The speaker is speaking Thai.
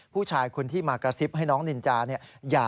ผู้ชายคนที่มากระซิบให้น้องนินจาเนี่ย